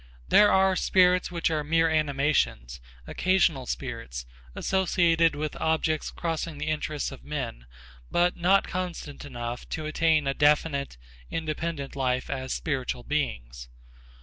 There are spirits which are mere animations, occasional spirits, associated with objects crossing the interests of men, but not constant enough to attain a definite, independent life as spiritual beings.